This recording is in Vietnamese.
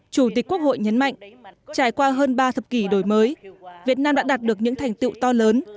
chủ tịch quốc hội nhấn mạnh trải qua hơn ba thập kỷ đổi mới việt nam đã đạt được những thành tựu to lớn